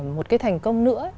một cái thành công nữa